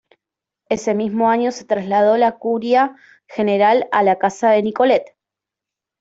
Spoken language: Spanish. Ese mismo año se trasladó la curia general a la casa de Nicolet.